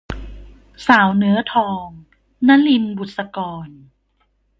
สาวเนื้อทอง - นลิน บุษกร